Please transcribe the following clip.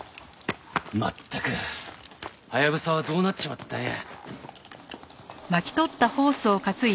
まったくハヤブサはどうなっちまったんや？